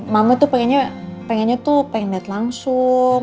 mama tuh pengennya tuh pengen lihat langsung